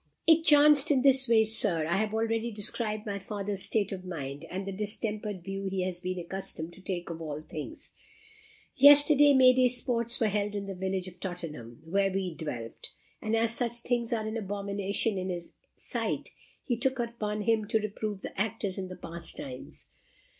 "It chanced in this way, Sir. I have already described my father's state of mind, and the distempered view he has been accustomed to take of all things. Yesterday, May day sports were held in the village of Tottenham, where we dwelt; and as such things are an abomination in his sight, he took upon him to reprove the actors in the pastimes.